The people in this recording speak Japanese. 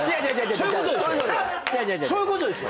そういうことでしょ。